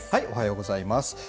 おはようございます。